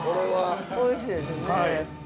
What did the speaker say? ◆おいしいですね。